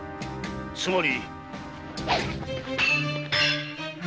つまり。